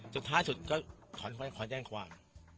สุดท้ายสุดก็ขนอย่างไนขอแจ้งความ